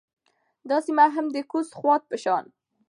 دا سیمه هم د کوز خوات په شان